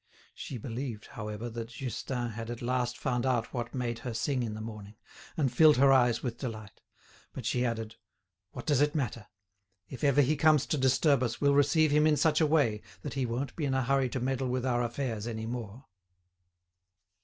She believed, however, that Justin had at last found out what made her sing in the morning, and filled her eyes with delight. But she added: "What does it matter? If ever he comes to disturb us we'll receive him in such a way that he won't be in a hurry to meddle with our affairs any more."